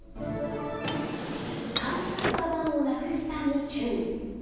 会社のかばんをなくしたに注意。